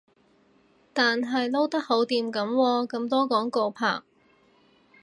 但係撈得好掂噉喎，咁多廣告拍